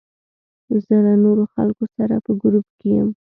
زه له نورو خلکو سره په ګروپ کې یم.